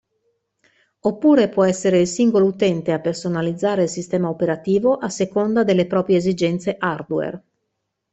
Oppure può essere il singolo utente a personalizzare il sistema operativo a seconda delle proprie esigenze hardware.